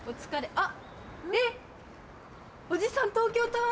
あっ！